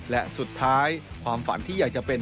และสุดท้ายความฝันที่อยากจะเป็น